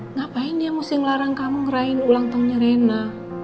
ngapain dia mesti ngelarang kamu ngeraih ulang tahunnya rena